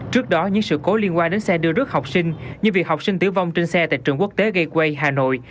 trước đó những sự cố liên quan đến xe đưa rước học sinh như việc học sinh tử vong trên xe tại trường quốc tế gay quay hà nội